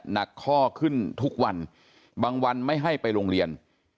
หนักข้อขึ้นทุกวันบางวันไม่ให้ไปโรงเรียน